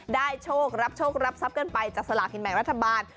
โชครับโชครับทรัพย์กันไปจากสลากกินแบ่งรัฐบาล